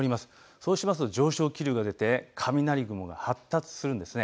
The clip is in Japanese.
そうしますと上昇気流が出て雷雲が発達するんです。